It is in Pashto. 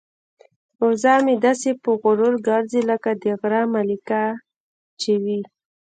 وزه مې داسې په غرور ګرځي لکه د غره ملکه چې وي.